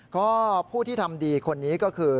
ก็ผู้ที่ทำดีคนนี้ก็คือ